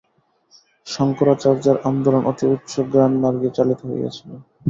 শঙ্করাচার্যের আন্দোলন অতি উচ্চ জ্ঞানমার্গেই চালিত হইয়াছিল।